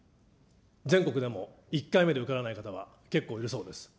全国でも１回目で受からない方は結構いるそうです。